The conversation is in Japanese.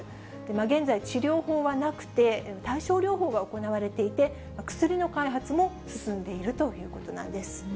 現在、治療法はなくて、対症療法が行われていて、薬の開発も進んでいるということなんです。